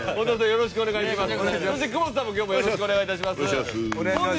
よろしくお願いします。